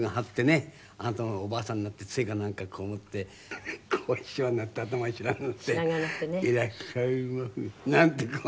あなたもおばあさんになって杖かなんかこう持ってしわになって頭白髪になって「いらっしゃいませ」なんてこう。